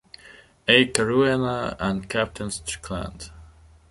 A. Caruana and Captain Strickland.